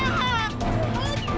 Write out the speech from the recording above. ayah mau kita kerja